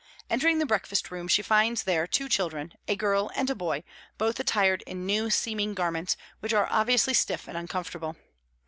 Entering the breakfast room, she finds there two children, a girl and a boy, both attired in new seeming garments which are obviously stiff and uncomfortable.